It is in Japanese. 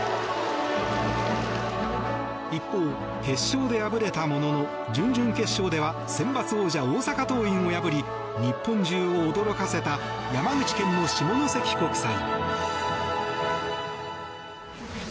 一方、決勝で敗れたものの準々決勝ではセンバツ王者、大阪桐蔭を破り日本中を驚かせた山口県の下関国際。